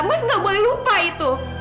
mas gak boleh lupa itu